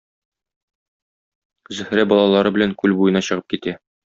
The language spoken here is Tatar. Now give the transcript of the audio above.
Зөһрә балалары белән күл буена чыгып китә.